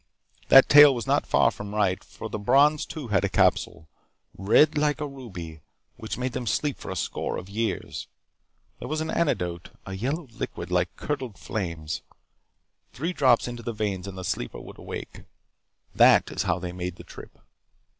That tale was not far from right. For the Brons too had a capsule, red like a ruby, which made them sleep for a score of years. There was an antidote, a yellow liquid like curdled flames. Three drops into the veins and the sleeper would awake. That is how they made the trip.